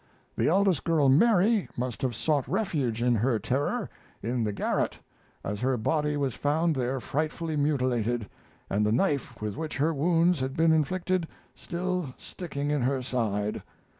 The eldest girl, Mary, must have sought refuge, in her terror, in the garret, as her body was found there frightfully mutilated, and the knife with which her wounds had been inflicted still sticking in her side.